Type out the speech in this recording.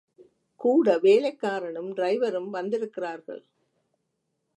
கூட வேலைக்காரனும் ட்ரைவரும் வந்திருக்கிறார்கள்.